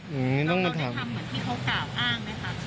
แล้วเขาได้ทำเหมือนที่เขากล่าวอ้างไหมคะ